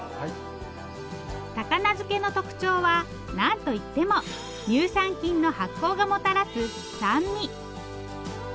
高菜漬けの特徴は何といっても乳酸菌の発酵がもたらす酸味。